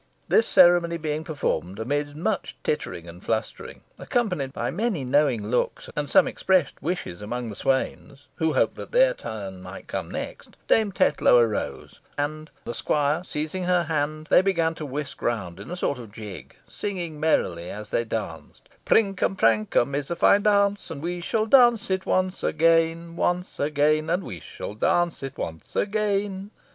This ceremony being performed amidst much tittering and flustering, accompanied by many knowing looks and some expressed wishes among the swains, who hoped that their turn might come next, Dame Tetlow arose, and the squire seizing her hand, they began to whisk round in a sort of jig, singing merrily as they danced "Prinkum prankum is a fine dance, And we shall go dance it once again! Once again, And we shall go dance it once again!"